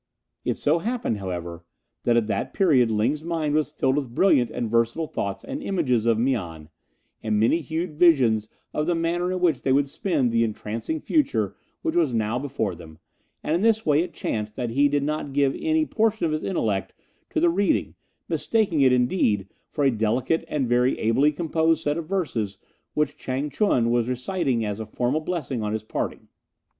It so happened, however, that at that period Ling's mind was filled with brilliant and versatile thoughts and images of Mian, and many hued visions of the manner in which they would spend the entrancing future which was now before them, and in this way it chanced that he did not give any portion of his intellect to the reading, mistaking it, indeed, for a delicate and very ably composed set of verses which Chang ch'un was reciting as a formal blessing on parting.